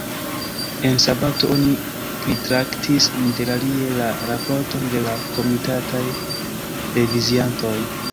En sabato oni pritraktis interalie la raporton de la komitataj reviziantoj.